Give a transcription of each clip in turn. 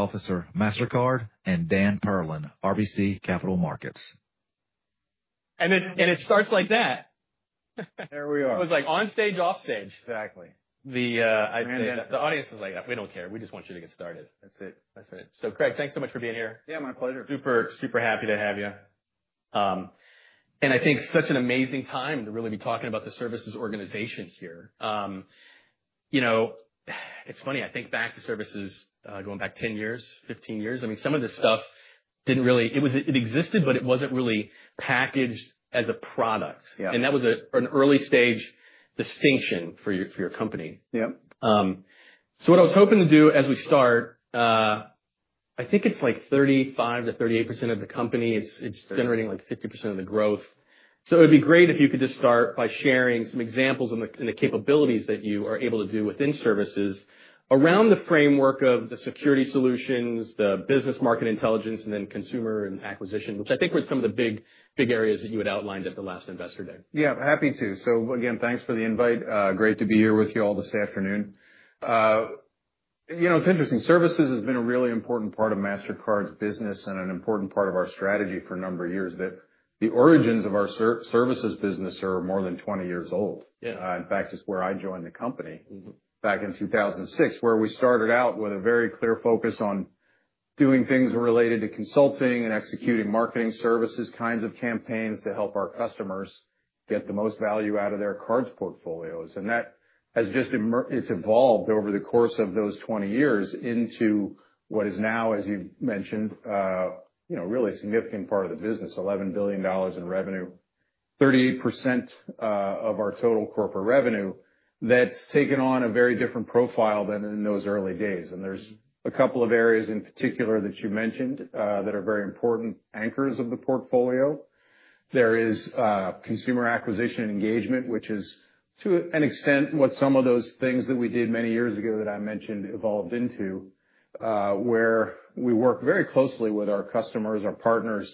Officer Mastercard and Dan Perlin, RBC Capital Markets. It starts like that. There we are. It was like on stage, off stage. Exactly. The audience is like, "We don't care. We just want you to get started." That's it. That's it. Craig, thanks so much for being here. Yeah, my pleasure. Super, super happy to have you. I think such an amazing time to really be talking about the services organization here. It's funny, I think back to services going back 10 years, 15 years. I mean, some of this stuff didn't really, it existed, but it wasn't really packaged as a product. That was an early stage distinction for your company. What I was hoping to do as we start, I think it's like 35%-38% of the company. It's generating like 50% of the growth. It would be great if you could just start by sharing some examples and the capabilities that you are able to do within services around the framework of the security solutions, the business market intelligence, and then consumer and acquisition, which I think were some of the big areas that you had outlined at the last investor day. Yeah, happy to. Again, thanks for the invite. Great to be here with you all this afternoon. It's interesting. Services has been a really important part of Mastercard's business and an important part of our strategy for a number of years. The origins of our services business are more than 20 years old. In fact, it's where I joined the company back in 2006, where we started out with a very clear focus on doing things related to consulting and executing marketing services kinds of campaigns to help our customers get the most value out of their cards portfolios. That has just evolved over the course of those 20 years into what is now, as you mentioned, a really significant part of the business: $11 billion in revenue, 38% of our total corporate revenue. That's taken on a very different profile than in those early days. There is a couple of areas in particular that you mentioned that are very important anchors of the portfolio. There is consumer acquisition engagement, which is to an extent what some of those things that we did many years ago that I mentioned evolved into, where we work very closely with our customers, our partners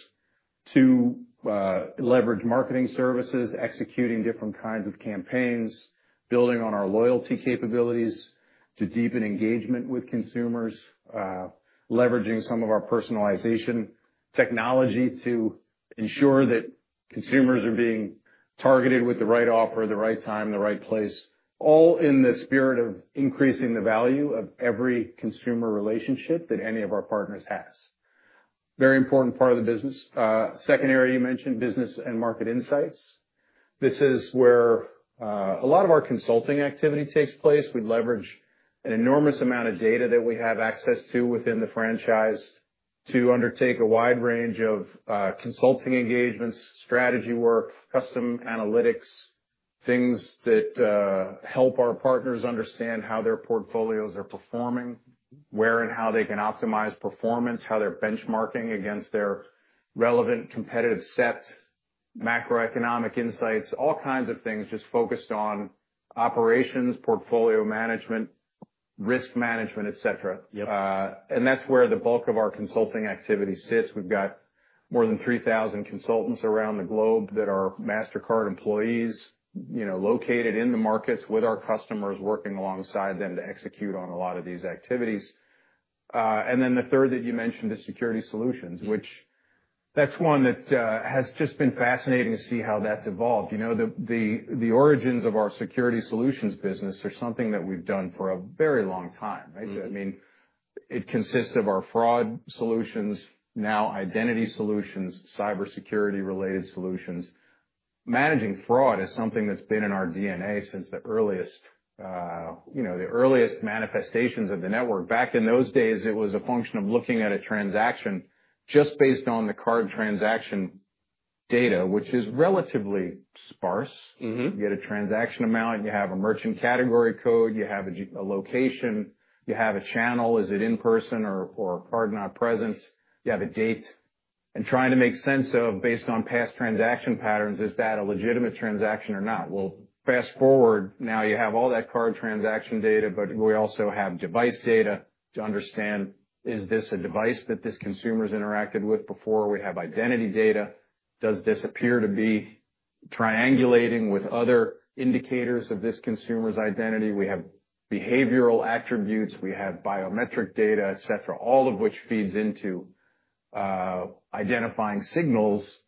to leverage marketing services, executing different kinds of campaigns, building on our loyalty capabilities to deepen engagement with consumers, leveraging some of our personalization technology to ensure that consumers are being targeted with the right offer, the right time, the right place, all in the spirit of increasing the value of every consumer relationship that any of our partners has. Very important part of the business. Secondary, you mentioned business and market insights. This is where a lot of our consulting activity takes place. We leverage an enormous amount of data that we have access to within the franchise to undertake a wide range of consulting engagements, strategy work, custom analytics, things that help our partners understand how their portfolios are performing, where and how they can optimize performance, how they're benchmarking against their relevant competitive set, macroeconomic insights, all kinds of things just focused on operations, portfolio management, risk management, etc. That is where the bulk of our consulting activity sits. We've got more than 3,000 consultants around the globe that are Mastercard employees located in the markets with our customers working alongside them to execute on a lot of these activities. The third that you mentioned is security solutions, which is one that has just been fascinating to see how that's evolved. The origins of our security solutions business are something that we've done for a very long time. I mean, it consists of our fraud solutions, now identity solutions, cybersecurity-related solutions. Managing fraud is something that's been in our DNA since the earliest manifestations of the network. Back in those days, it was a function of looking at a transaction just based on the card transaction data, which is relatively sparse. You get a transaction amount, you have a merchant category code, you have a location, you have a channel, is it in person or card not present, you have a date. Trying to make sense of, based on past transaction patterns, is that a legitimate transaction or not? Fast forward, now you have all that card transaction data, but we also have device data to understand, is this a device that this consumer has interacted with before? We have identity data. Does this appear to be triangulating with other indicators of this consumer's identity? We have behavioral attributes, we have biometric data, etc., all of which feeds into identifying signals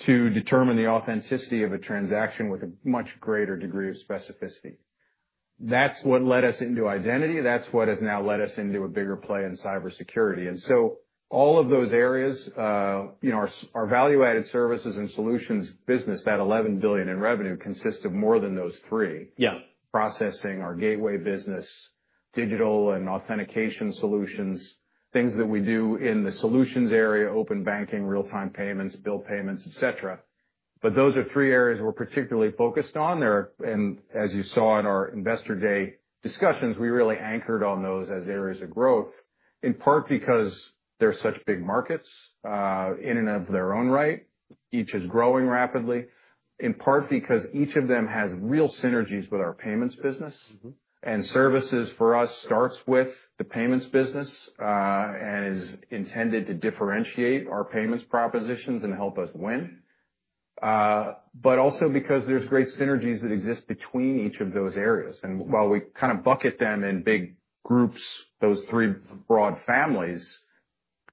to determine the authenticity of a transaction with a much greater degree of specificity. That is what led us into identity. That is what has now led us into a bigger play in cybersecurity. All of those areas, our value-added services and solutions business, that $11 billion in revenue consists of more than those three: processing, our gateway business, digital and authentication solutions, things that we do in the solutions area, open banking, real-time payments, bill payments, etc. Those are three areas we are particularly focused on. As you saw in our investor day discussions, we really anchored on those as areas of growth, in part because they are such big markets in and of their own right. Each is growing rapidly, in part because each of them has real synergies with our payments business. Services for us starts with the payments business and is intended to differentiate our payments propositions and help us win. There are great synergies that exist between each of those areas. While we kind of bucket them in big groups, those three broad families,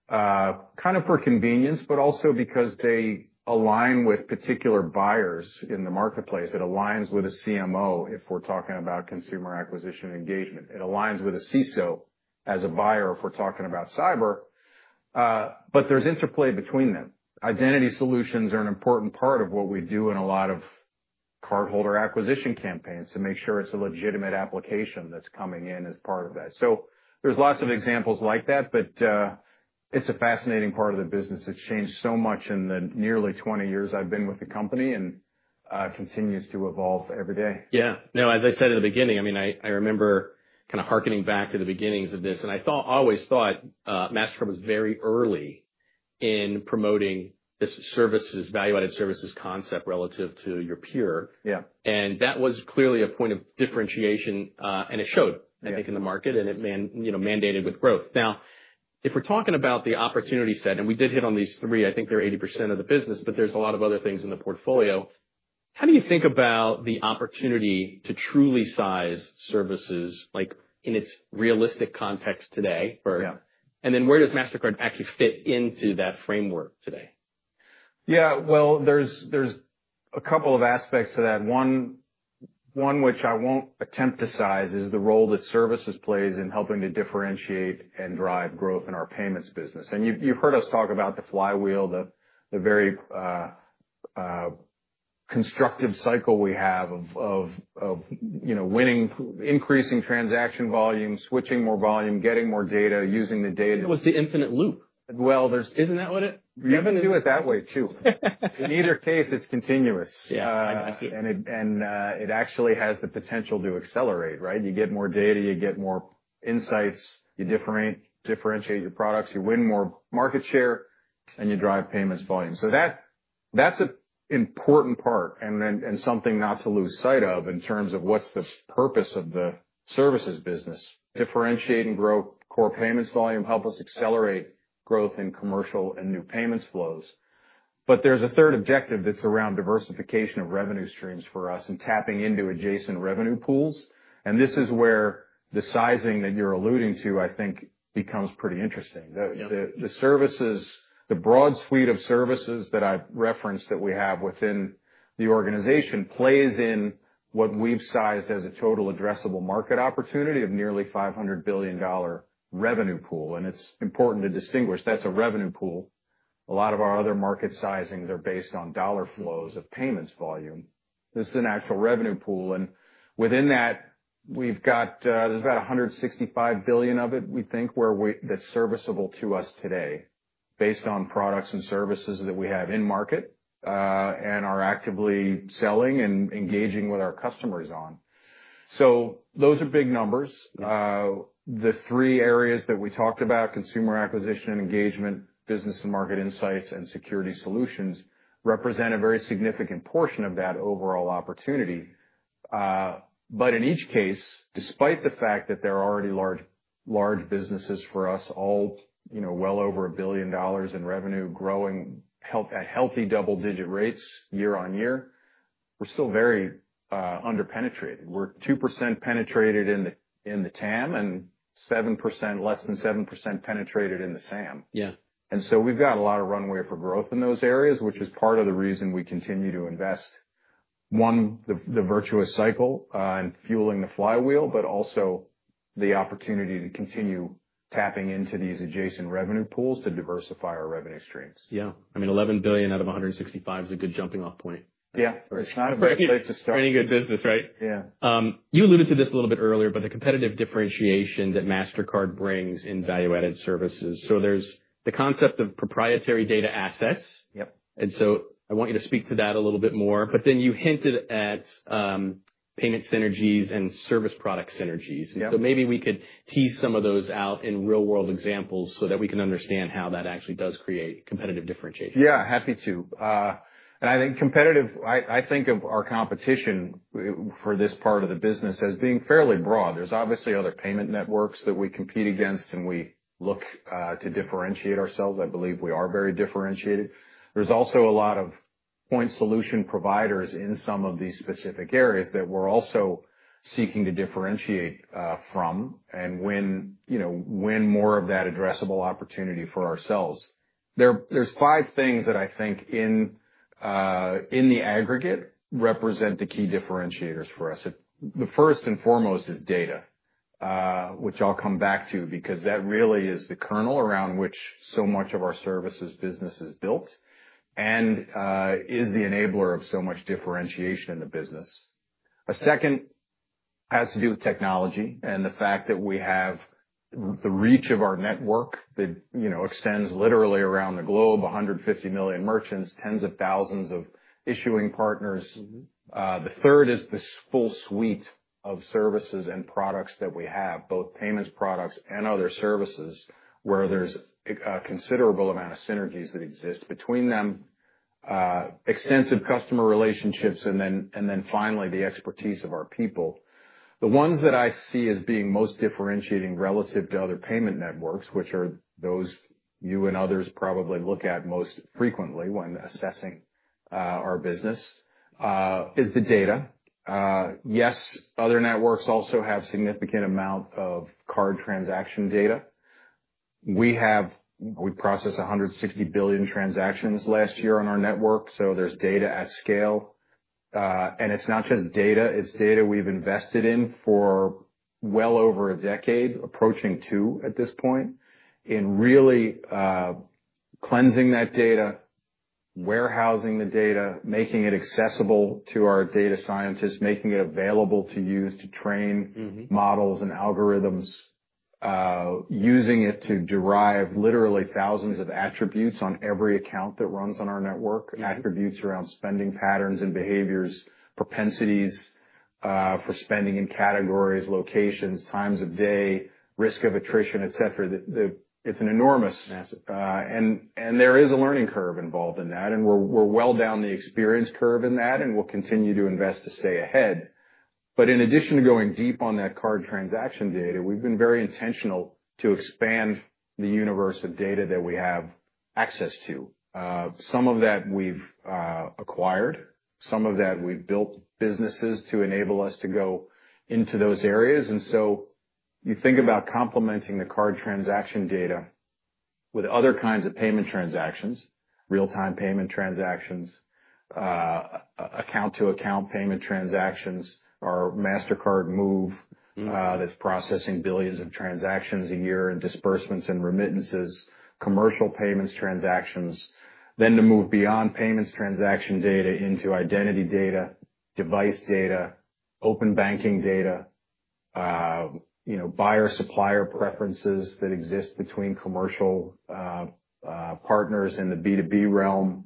kind of for convenience, it is also because they align with particular buyers in the marketplace. It aligns with a CMO if we're talking about consumer acquisition engagement. It aligns with a CISO as a buyer if we're talking about cyber. There is interplay between them. Identity solutions are an important part of what we do in a lot of cardholder acquisition campaigns to make sure it's a legitimate application that's coming in as part of that. There's lots of examples like that, but it's a fascinating part of the business. It's changed so much in the nearly 20 years I've been with the company and continues to evolve every day. Yeah. No, as I said in the beginning, I mean, I remember kind of harkening back to the beginnings of this. I always thought Mastercard was very early in promoting this value-added services concept relative to your peer. That was clearly a point of differentiation. It showed, I think, in the market, and it mandated with growth. Now, if we're talking about the opportunity set, and we did hit on these three, I think they're 80% of the business, but there's a lot of other things in the portfolio. How do you think about the opportunity to truly size services in its realistic context today? Where does Mastercard actually fit into that framework today? Yeah. There is a couple of aspects to that. One which I will not attempt to size is the role that services plays in helping to differentiate and drive growth in our payments business. You have heard us talk about the flywheel, the very constructive cycle we have of winning, increasing transaction volume, switching more volume, getting more data, using the data. It was the infinite loop. Isn't that what it is? You can do it that way too. In either case, it's continuous. And it actually has the potential to accelerate, right? You get more data, you get more insights, you differentiate your products, you win more market share, and you drive payments volume. That's an important part and something not to lose sight of in terms of what's the purpose of the services business. Differentiate and grow core payments volume, help us accelerate growth in commercial and new payments flows. There's a third objective that's around diversification of revenue streams for us and tapping into adjacent revenue pools. This is where the sizing that you're alluding to, I think, becomes pretty interesting. The broad suite of services that I've referenced that we have within the organization plays in what we've sized as a total addressable market opportunity of nearly $500 billion revenue pool. It's important to distinguish that's a revenue pool. A lot of our other market sizings are based on dollar flows of payments volume. This is an actual revenue pool. Within that, there is about $165 billion of it, we think, that is serviceable to us today based on products and services that we have in market and are actively selling and engaging with our customers on. Those are big numbers. The three areas that we talked about, consumer acquisition, engagement, business and market insights, and security solutions represent a very significant portion of that overall opportunity. In each case, despite the fact that there are already large businesses for us, all well over $1 billion in revenue, growing at healthy double-digit rates year on year, we are still very underpenetrated. We are 2% penetrated in the TAM and less than 7% penetrated in the SAM. We have got a lot of runway for growth in those areas, which is part of the reason we continue to invest, one, the virtuous cycle and fueling the flywheel, but also the opportunity to continue tapping into these adjacent revenue pools to diversify our revenue streams. Yeah. I mean, $11 billion out of $165 billion is a good jumping-off point. Yeah. It's not a great place to start. It's a pretty good business, right? Yeah. You alluded to this a little bit earlier, but the competitive differentiation that Mastercard brings in value-added services. There is the concept of proprietary data assets. I want you to speak to that a little bit more. You hinted at payment synergies and service product synergies. Maybe we could tease some of those out in real-world examples so that we can understand how that actually does create competitive differentiation. Yeah, happy to. I think competitive, I think of our competition for this part of the business as being fairly broad. There are obviously other payment networks that we compete against, and we look to differentiate ourselves. I believe we are very differentiated. There are also a lot of point solution providers in some of these specific areas that we are also seeking to differentiate from and win more of that addressable opportunity for ourselves. There are five things that I think in the aggregate represent the key differentiators for us. The first and foremost is data, which I will come back to because that really is the kernel around which so much of our services business is built and is the enabler of so much differentiation in the business. A second has to do with technology and the fact that we have the reach of our network that extends literally around the globe, 150 million merchants, tens of thousands of issuing partners. The third is the full suite of services and products that we have, both payments products and other services, where there is a considerable amount of synergies that exist between them, extensive customer relationships, and then finally, the expertise of our people. The ones that I see as being most differentiating relative to other payment networks, which are those you and others probably look at most frequently when assessing our business, is the data. Yes, other networks also have a significant amount of card transaction data. We process 160 billion transactions last year on our network. There is data at scale. It is not just data. It's data we've invested in for well over a decade, approaching two at this point, in really cleansing that data, warehousing the data, making it accessible to our data scientists, making it available to use to train models and algorithms, using it to derive literally thousands of attributes on every account that runs on our network, attributes around spending patterns and behaviors, propensities for spending in categories, locations, times of day, risk of attrition, etc. It is enormous. There is a learning curve involved in that. We are well down the experience curve in that, and we will continue to invest to stay ahead. In addition to going deep on that card transaction data, we have been very intentional to expand the universe of data that we have access to. Some of that we have acquired. Some of that we have built businesses to enable us to go into those areas. You think about complementing the card transaction data with other kinds of payment transactions, real-time payment transactions, account-to-account payment transactions, our Mastercard Move that's processing billions of transactions a year and disbursements and remittances, commercial payments transactions, then to move beyond payments transaction data into identity data, device data, open banking data, buyer-supplier preferences that exist between commercial partners in the B2B realm.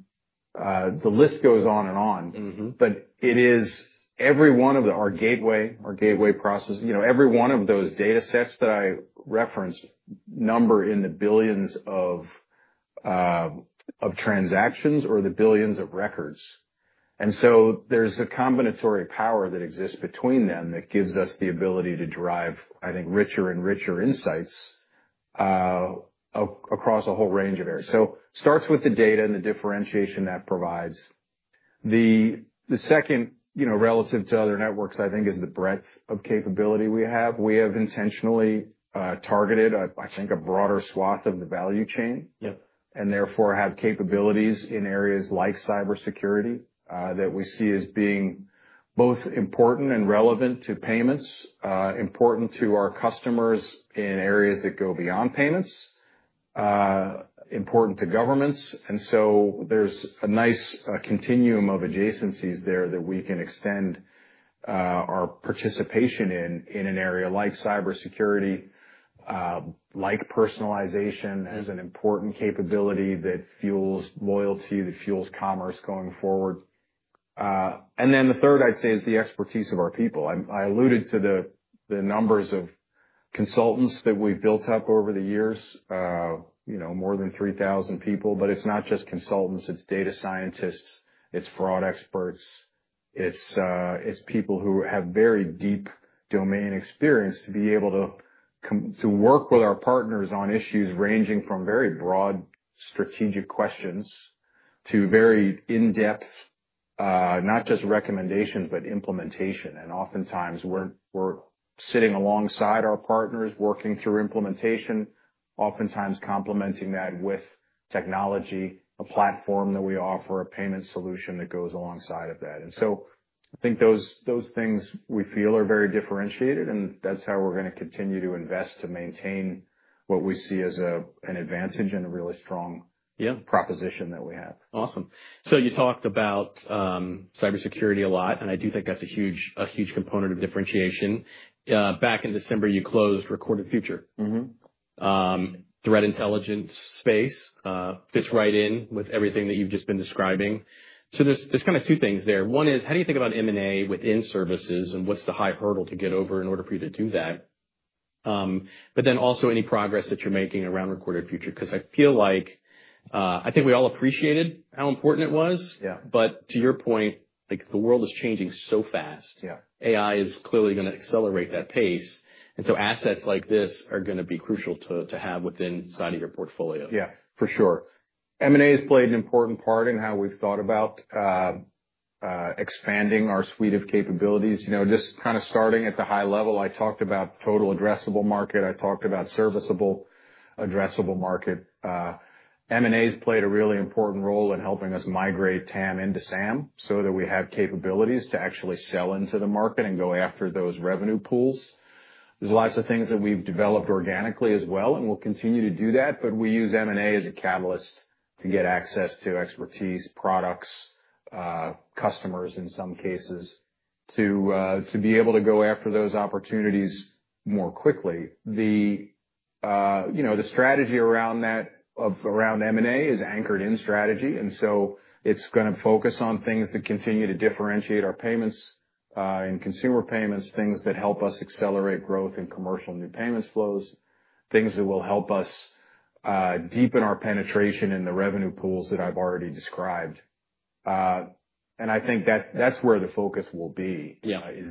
The list goes on and on. It is every one of our gateway, our gateway process, every one of those data sets that I referenced number in the billions of transactions or the billions of records. There is a combinatory power that exists between them that gives us the ability to drive, I think, richer and richer insights across a whole range of areas. It starts with the data and the differentiation that provides. The second, relative to other networks, I think, is the breadth of capability we have. We have intentionally targeted, I think, a broader swath of the value chain and therefore have capabilities in areas like cybersecurity that we see as being both important and relevant to payments, important to our customers in areas that go beyond payments, important to governments. There is a nice continuum of adjacencies there that we can extend our participation in in an area like cybersecurity, like personalization as an important capability that fuels loyalty, that fuels commerce going forward. The third, I'd say, is the expertise of our people. I alluded to the numbers of consultants that we've built up over the years, more than 3,000 people. It is not just consultants. It is data scientists. It is fraud experts. It's people who have very deep domain experience to be able to work with our partners on issues ranging from very broad strategic questions to very in-depth, not just recommendations, but implementation. Oftentimes, we're sitting alongside our partners, working through implementation, oftentimes complementing that with technology, a platform that we offer, a payment solution that goes alongside of that. I think those things we feel are very differentiated, and that's how we're going to continue to invest to maintain what we see as an advantage and a really strong proposition that we have. Awesome. So you talked about cybersecurity a lot, and I do think that's a huge component of differentiation. Back in December, you closed Recorded Future. Threat intelligence space fits right in with everything that you've just been describing. There's kind of two things there. One is, how do you think about M&A within services and what's the high hurdle to get over in order for you to do that? Also, any progress that you're making around Recorded Future because I feel like I think we all appreciated how important it was. To your point, the world is changing so fast. AI is clearly going to accelerate that pace. Assets like this are going to be crucial to have within inside of your portfolio. Yeah, for sure. M&A has played an important part in how we've thought about expanding our suite of capabilities. Just kind of starting at the high level, I talked about total addressable market. I talked about serviceable addressable market. M&A has played a really important role in helping us migrate TAM into SAM so that we have capabilities to actually sell into the market and go after those revenue pools. There are lots of things that we've developed organically as well, and we'll continue to do that. We use M&A as a catalyst to get access to expertise, products, customers in some cases to be able to go after those opportunities more quickly. The strategy around M&A is anchored in strategy. It is going to focus on things that continue to differentiate our payments and consumer payments, things that help us accelerate growth in commercial new payments flows, things that will help us deepen our penetration in the revenue pools that I have already described. I think that is where the focus will be,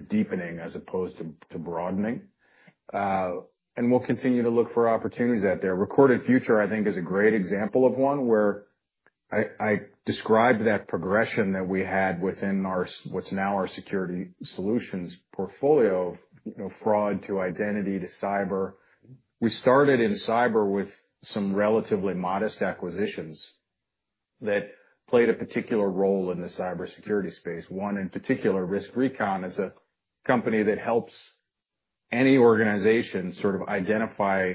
deepening as opposed to broadening. We will continue to look for opportunities out there. Recorded Future, I think, is a great example of one where I described that progression that we had within what is now our security solutions portfolio of fraud to identity to cyber. We started in cyber with some relatively modest acquisitions that played a particular role in the cybersecurity space. One in particular, Recon, is a company that helps any organization sort of identify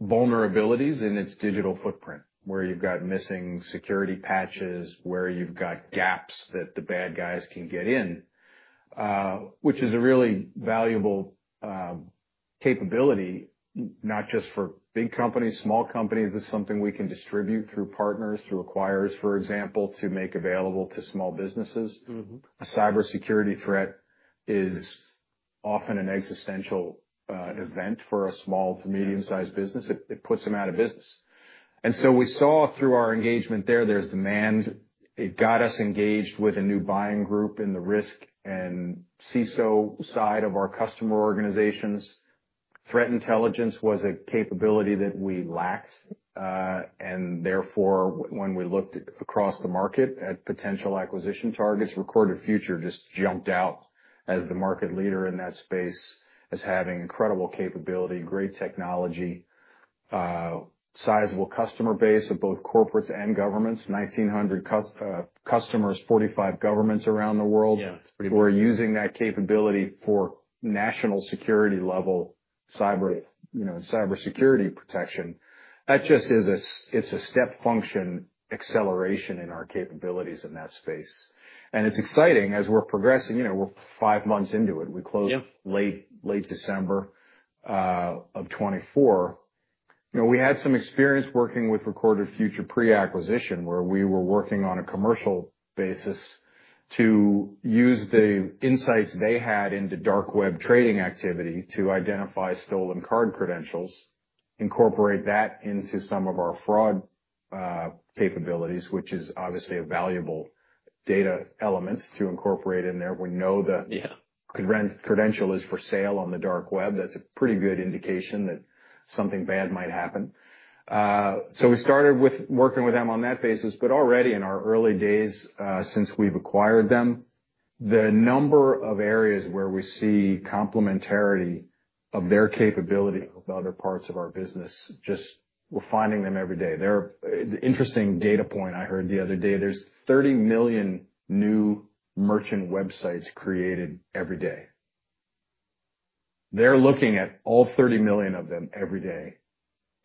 vulnerabilities in its digital footprint, where you've got missing security patches, where you've got gaps that the bad guys can get in, which is a really valuable capability, not just for big companies. Small companies is something we can distribute through partners, through acquirers, for example, to make available to small businesses. A cybersecurity threat is often an existential event for a small to medium-sized business. It puts them out of business. We saw through our engagement there, there's demand. It got us engaged with a new buying group in the risk and CISO side of our customer organizations. Threat intelligence was a capability that we lacked. Therefore, when we looked across the market at potential acquisition targets, Recorded Future just jumped out as the market leader in that space, as having incredible capability, great technology, sizable customer base of both corporates and governments, 1,900 customers, 45 governments around the world. We are using that capability for national security-level cybersecurity protection. That just is a step function acceleration in our capabilities in that space. It is exciting as we are progressing. We are five months into it. We closed late December of 2024. We had some experience working with Recorded Future pre-acquisition, where we were working on a commercial basis to use the insights they had into dark web trading activity to identify stolen card credentials, incorporate that into some of our fraud capabilities, which is obviously a valuable data element to incorporate in there. We know the credential is for sale on the dark web. That's a pretty good indication that something bad might happen. We started with working with them on that basis. Already in our early days since we've acquired them, the number of areas where we see complementarity of their capability with other parts of our business, just we're finding them every day. They're an interesting data point. I heard the other day there's 30 million new merchant websites created every day. They're looking at all 30 million of them every day.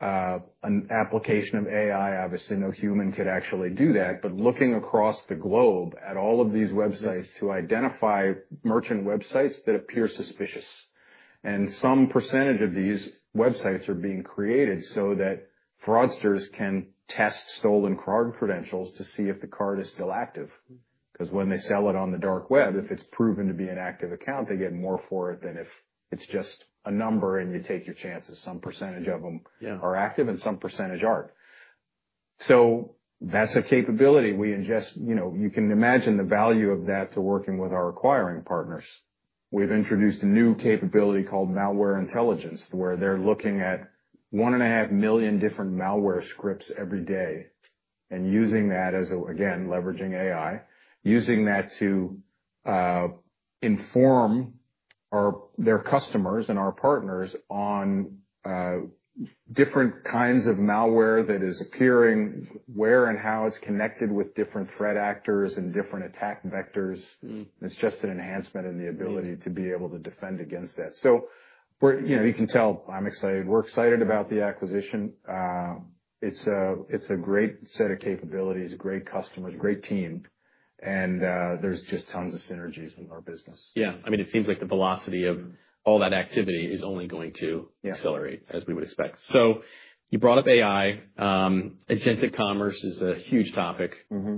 An application of AI, obviously, no human could actually do that. Looking across the globe at all of these websites to identify merchant websites that appear suspicious. Some percentage of these websites are being created so that fraudsters can test stolen card credentials to see if the card is still active. Because when they sell it on the dark web, if it's proven to be an active account, they get more for it than if it's just a number and you take your chances. Some percentage of them are active, and some percentage aren't. That's a capability we ingest. You can imagine the value of that to working with our acquiring partners. We've introduced a new capability called malware intelligence, where they're looking at 1.5 million different malware scripts every day and using that as a, again, leveraging AI, using that to inform their customers and our partners on different kinds of malware that is appearing, where and how it's connected with different threat actors and different attack vectors. It's just an enhancement in the ability to be able to defend against that. You can tell I'm excited. We're excited about the acquisition. It's a great set of capabilities, great customers, great team. There are just tons of synergies with our business. Yeah. I mean, it seems like the velocity of all that activity is only going to accelerate, as we would expect. You brought up AI. Agentic commerce is a huge topic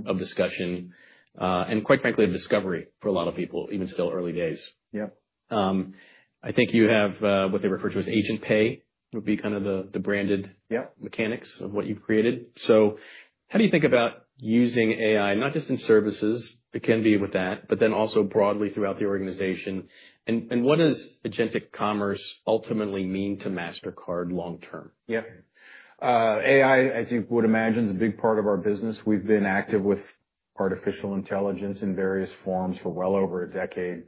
of discussion and, quite frankly, of discovery for a lot of people, even still early days. I think you have what they refer to as Agent Pay, would be kind of the branded mechanics of what you've created. How do you think about using AI, not just in services, it can be with that, but then also broadly throughout the organization? What does agentic commerce ultimately mean to Mastercard long-term? Yeah. AI, as you would imagine, is a big part of our business. We've been active with artificial intelligence in various forms for well over a decade,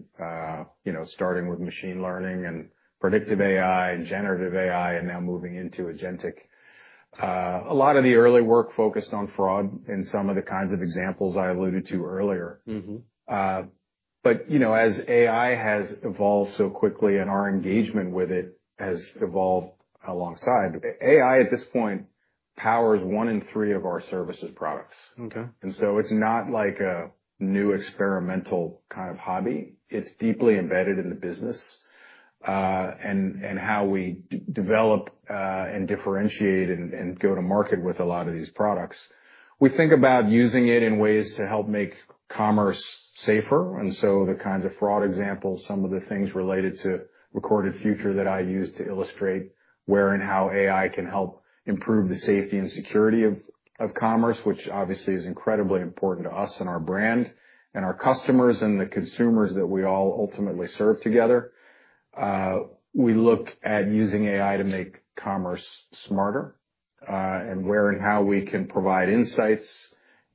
starting with machine learning and predictive AI and generative AI and now moving into agentic. A lot of the early work focused on fraud in some of the kinds of examples I alluded to earlier. As AI has evolved so quickly and our engagement with it has evolved alongside, AI at this point powers one in three of our services products. It's not like a new experimental kind of hobby. It's deeply embedded in the business and how we develop and differentiate and go to market with a lot of these products. We think about using it in ways to help make commerce safer. The kinds of fraud examples, some of the things related to Recorded Future that I use to illustrate where and how AI can help improve the safety and security of commerce, which obviously is incredibly important to us and our brand and our customers and the consumers that we all ultimately serve together. We look at using AI to make commerce smarter and where and how we can provide insights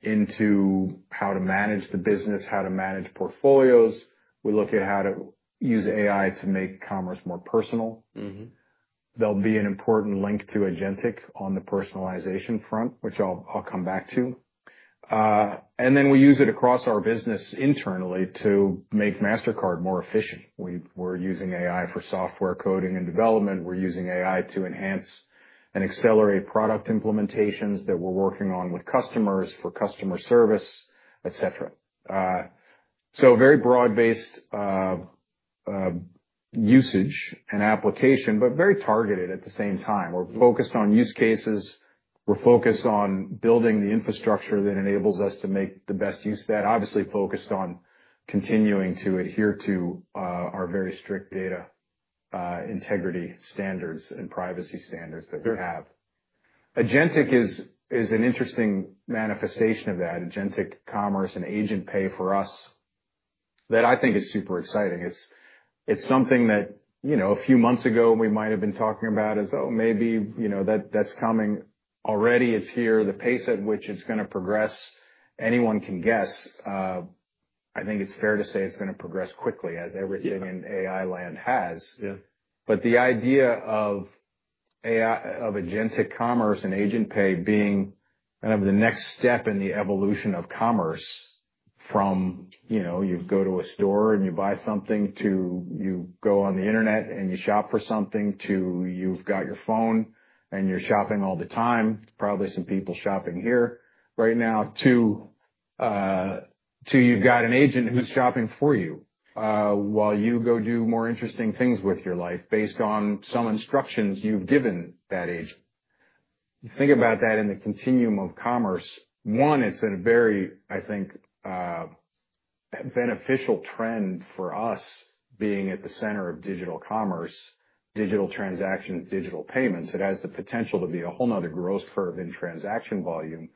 into how to manage the business, how to manage portfolios. We look at how to use AI to make commerce more personal. There will be an important link to agentic on the personalization front, which I will come back to. We use it across our business internally to make Mastercard more efficient. We are using AI for software coding and development. We're using AI to enhance and accelerate product implementations that we're working on with customers for customer service, etc. Very broad-based usage and application, but very targeted at the same time. We're focused on use cases. We're focused on building the infrastructure that enables us to make the best use of that, obviously focused on continuing to adhere to our very strict data integrity standards and privacy standards that we have. Agentic is an interesting manifestation of that. Agentic commerce and Agent Pay for us, that I think is super exciting. It's something that a few months ago we might have been talking about as, "Oh, maybe that's coming already. It's here." The pace at which it's going to progress, anyone can guess. I think it's fair to say it's going to progress quickly, as everything in AI land has. The idea of agentic commerce and Agent Pay being kind of the next step in the evolution of commerce from you go to a store and you buy something to you go on the internet and you shop for something to you've got your phone and you're shopping all the time, probably some people shopping here right now, to you've got an agent who's shopping for you while you go do more interesting things with your life based on some instructions you've given that agent. Think about that in the continuum of commerce. One, it's a very, I think, beneficial trend for us being at the center of digital commerce, digital transactions, digital payments. It has the potential to be a whole nother growth curve in transaction volume.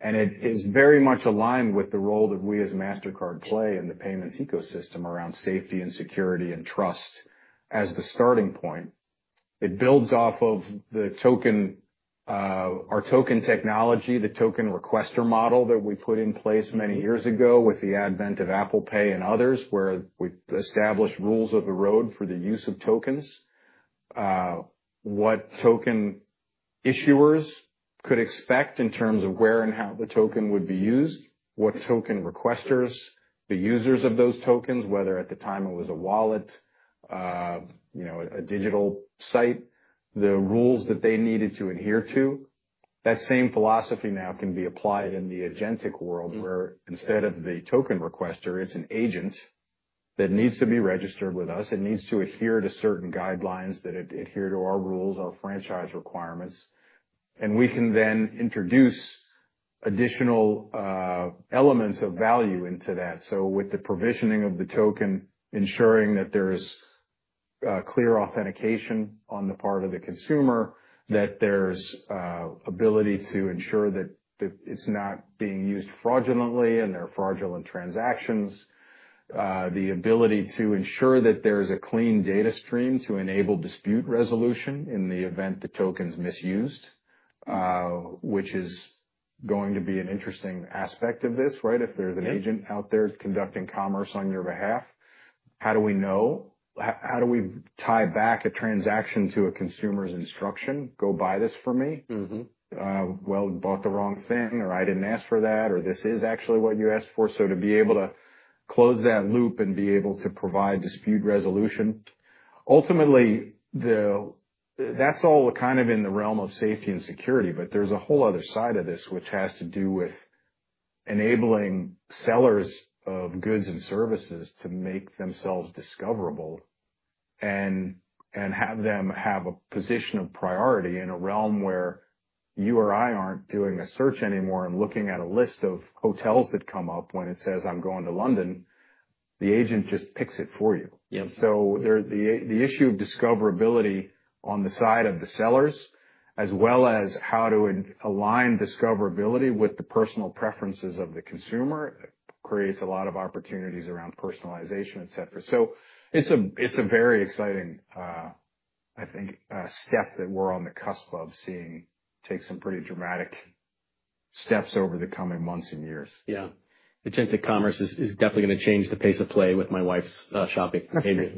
It is very much aligned with the role that we as Mastercard play in the payments ecosystem around safety and security and trust as the starting point. It builds off of our token technology, the token requester model that we put in place many years ago with the advent of Apple Pay and others, where we established rules of the road for the use of tokens, what token issuers could expect in terms of where and how the token would be used, what token requesters, the users of those tokens, whether at the time it was a wallet, a digital site, the rules that they needed to adhere to. That same philosophy now can be applied in the agentic world, where instead of the token requester, it is an agent that needs to be registered with us. It needs to adhere to certain guidelines that adhere to our rules, our franchise requirements. We can then introduce additional elements of value into that. With the provisioning of the token, ensuring that there's clear authentication on the part of the consumer, that there's ability to ensure that it's not being used fraudulently and there are fraudulent transactions, the ability to ensure that there's a clean data stream to enable dispute resolution in the event the token's misused, which is going to be an interesting aspect of this, right? If there's an agent out there conducting commerce on your behalf, how do we know? How do we tie back a transaction to a consumer's instruction? Go buy this for me. Bought the wrong thing, or I didn't ask for that, or this is actually what you asked for. To be able to close that loop and be able to provide dispute resolution. Ultimately, that's all kind of in the realm of safety and security. There is a whole other side of this, which has to do with enabling sellers of goods and services to make themselves discoverable and have them have a position of priority in a realm where you or I aren't doing a search anymore and looking at a list of hotels that come up when it says, "I'm going to London," the agent just picks it for you. The issue of discoverability on the side of the sellers, as well as how to align discoverability with the personal preferences of the consumer, creates a lot of opportunities around personalization, etc. It's a very exciting, I think, step that we're on the cusp of seeing take some pretty dramatic steps over the coming months and years. Yeah. Agentic commerce is definitely going to change the pace of play with my wife's shopping behavior.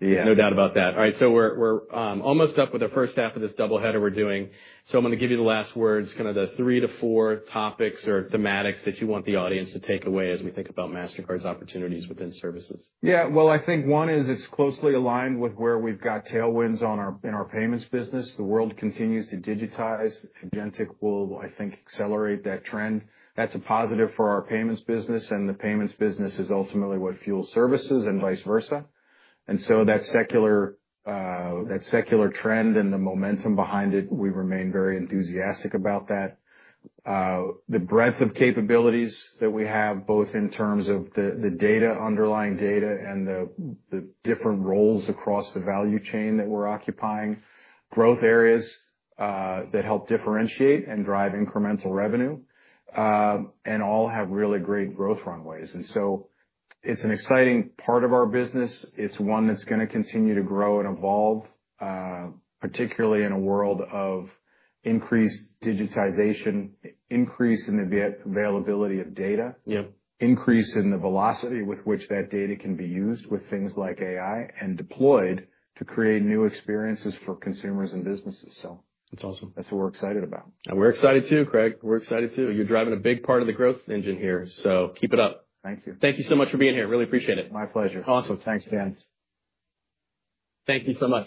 No doubt about that. All right. We're almost up with the first half of this double-header we're doing. I'm going to give you the last words, kind of the three to four topics or thematics that you want the audience to take away as we think about Mastercard's opportunities within services. Yeah. I think one is it's closely aligned with where we've got tailwinds in our payments business. The world continues to digitize. Agentic will, I think, accelerate that trend. That's a positive for our payments business. The payments business is ultimately what fuels services and vice versa. That secular trend and the momentum behind it, we remain very enthusiastic about that. The breadth of capabilities that we have, both in terms of the data, underlying data, and the different roles across the value chain that we're occupying, growth areas that help differentiate and drive incremental revenue, and all have really great growth runways. It's an exciting part of our business. It's one that's going to continue to grow and evolve, particularly in a world of increased digitization, increase in the availability of data, increase in the velocity with which that data can be used with things like AI and deployed to create new experiences for consumers and businesses. That's what we're excited about. We're excited too, Craig. We're excited too. You're driving a big part of the growth engine here. Keep it up. Thank you. Thank you so much for being here. Really appreciate it. My pleasure. Awesome. Thanks, Dan. Thank you so much.